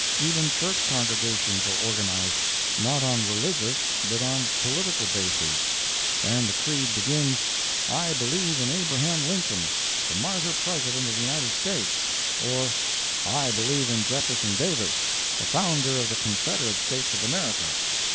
Even Church congregations are organized, not on religious but on political bases; and the Creed begins, "I believe in Abraham Lincoln, the Martyr President of the United States," or, "I believe in Jefferson Davis, the founder of the Confederate States of America."